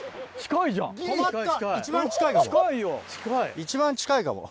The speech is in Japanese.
一番近いかも。